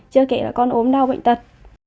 chưa kể là con ốm đau bệnh tật